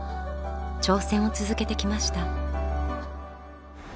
挑戦を続けてきました。